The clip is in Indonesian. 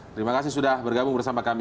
terima kasih sudah bergabung bersama kami